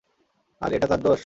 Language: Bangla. আর, এটা তার দোষ!